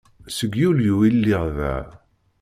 Seg Yulyu i lliɣ da.